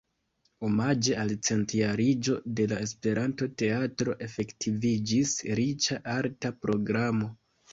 Omaĝe al centjariĝo de la Esperanto-teatro efektiviĝis riĉa arta programo.